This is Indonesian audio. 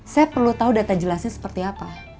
saya perlu tahu data jelasnya seperti apa